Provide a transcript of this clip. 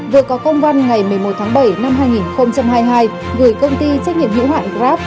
vừa có công văn ngày một mươi một tháng bảy năm hai nghìn hai mươi hai gửi công ty trách nhiệm hữu hạn grab